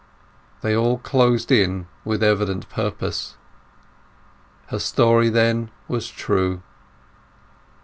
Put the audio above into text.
They all closed in with evident purpose. Her story then was true!